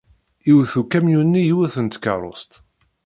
Iwet ukamyun-nni yiwet n tkeṛṛust.